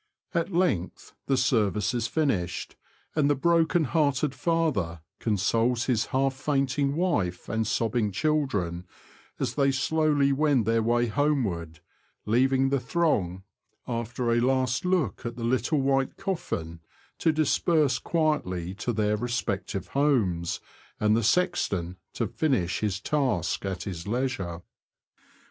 At length the service is finished, and the broken hearted father consoles his half fainting wife and sobbing children, as they slowly wend their way homeward, leaving the throng, after a last look at the little white coffin, to disperse quietly to their respective homes, and the sexton to finish his task at his leisure.